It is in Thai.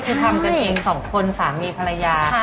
คือทำกันเองสองคนสามีภรรยา